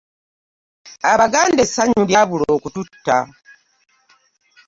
Abaganda essanyu lyabula okututta.